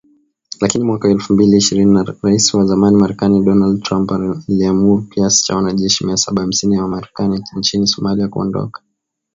Lakini mwaka wa elfu mbili ishirini Rais wa zamani Marekani Donald Trump aliamuru kiasi cha wanajeshi mia saba hamsini wa Marekani nchini Somalia kuondoka.